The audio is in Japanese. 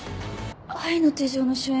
『愛の手錠』の主演